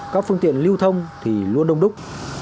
các phương tiện lưu thông thì luôn đông đúc